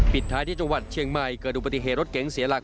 ปิดท้ายที่จังหวัดเชียงมัยเกิดรูปปฏิเหตุรถเแก๊งเสียหลัก